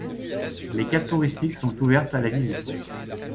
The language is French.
Les caves touristiques sont ouvertes à la visite.